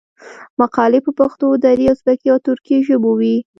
مقالي په پښتو، دري، ازبکي او ترکي ژبو وې.